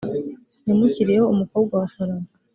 yamushyiriye umukobwa wa farawo